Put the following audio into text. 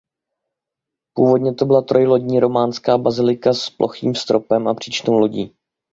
Původně to byla trojlodní románská bazilika s plochým stropem a příčnou lodí.